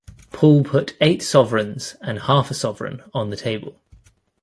Paul put eight sovereigns and half a sovereign on the table.